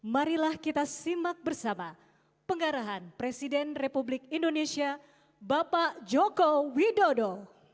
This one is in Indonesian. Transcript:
marilah kita simak bersama pengarahan presiden republik indonesia bapak joko widodo